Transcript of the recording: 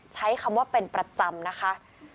ใช้คำว่าเป็นประจำนะคะ